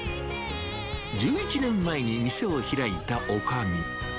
１１年前に店を開いたおかみ。